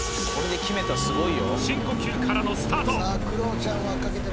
深呼吸からのスタート